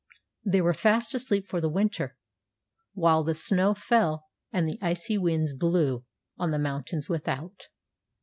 They were fast asleep for the winter, while the snow fell and the icy winds blew on the mountains without.